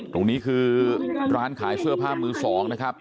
ตรงนี้คือร้านขายเสื้อผ้ามือสองนะครับ